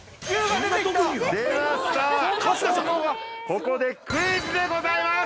◆ここでクイズでございます。